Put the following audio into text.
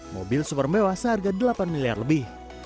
mobil super mewah seharga delapan miliar lebih